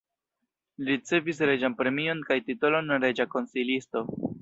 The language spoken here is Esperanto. Li ricevis reĝan premion kaj titolon reĝa konsilisto.